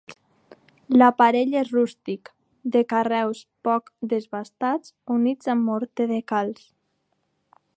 L'aparell és rústic, de carreus poc desbastats units amb morter de calç.